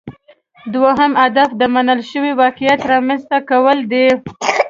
دوهم هدف د منل شوي واقعیت رامینځته کول دي